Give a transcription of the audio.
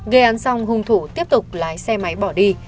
gây án xong hung thủ tiếp tục lái xe máy bỏ đi